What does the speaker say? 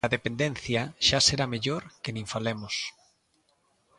Da Dependencia xa será mellor que nin falemos.